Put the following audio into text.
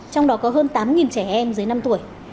trong đó có hơn tám trẻ em dưới năm tuổi